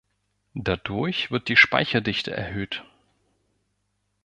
Dadurch wird die Speicherdichte erhöht.